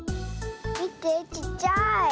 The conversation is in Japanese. みてちっちゃい。